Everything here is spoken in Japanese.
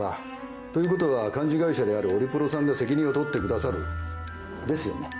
ということは幹事会社であるオリプロさんで責任を取ってくださる。ですよね？